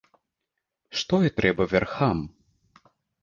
Што і трэба вярхам.